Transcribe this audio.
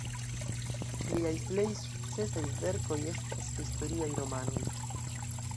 Liaj plej sukcesaj verkoj estas historiaj romanoj.